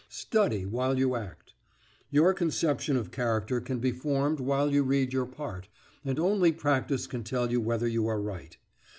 Study while you act. Your conception of character can be formed while you read your part, and only practice can tell you whether you are right.